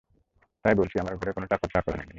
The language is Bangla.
তাই বলছি, আমার ঘরে কোন চাকর বা চাকরানী নেই।